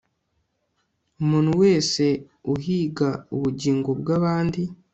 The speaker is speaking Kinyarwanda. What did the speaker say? umuntu wese uhiga ubugingo bwabandi